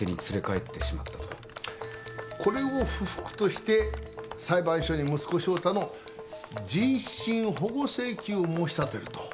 これを不服として裁判所に息子翔太の人身保護請求を申し立てるということになります。